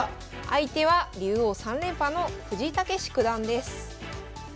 相手は竜王３連覇の藤井猛九段です。